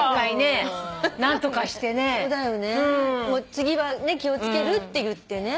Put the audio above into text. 「次は気を付ける」って言ってね。